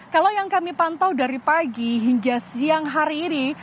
kalau yang kami pantau dari pagi hingga siang hari ini